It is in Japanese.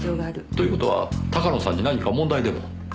という事は高野さんに何か問題でも？